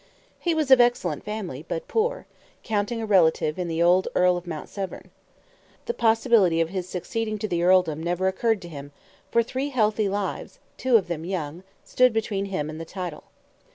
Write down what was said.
He was of excellent family, but poor, counting a relative in the old Earl of Mount Severn. The possibility of his succeeding to the earldom never occurred to him, for three healthy lives, two of them young, stood between him and the title.